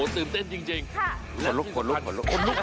ที่หวังจริงจริง